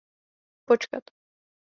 Počkat.